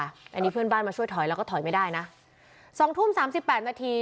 อันนี้เพื่อนบ้านมาช่วยถอยแล้วก็ถอยไม่ได้นะสองทุ่มสามสิบแปดนาที